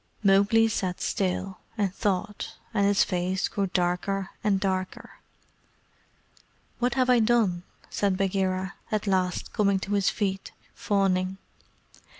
Mowgli sat still, and thought, and his face grew darker and darker. "What have I done?" said Bagheera, at last coming to his feet, fawning.